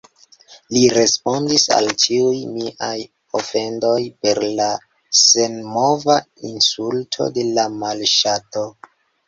Li respondis al ĉiuj miaj ofendoj per la senmova insulto de la malŝato.